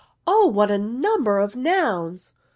Oh what a number of nouns